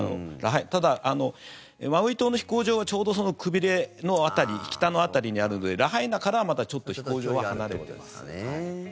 ただ、マウイ島の飛行場はちょうどくびれの辺り北の辺りにあるのでラハイナからはまだちょっと飛行場は離れてます。